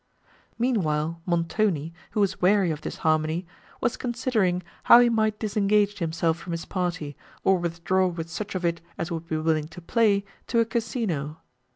Meanwhile, Montoni, who was weary of this harmony, was considering how he might disengage himself from his party, or withdraw with such of it as would be willing to play, to a Casino.